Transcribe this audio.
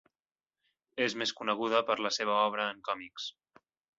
És més coneguda per la seva obra en còmics.